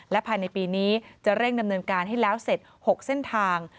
และภายในปีนี้จะเร่งดำเนินการให้แล้วเสร็จ๖เส้นทาง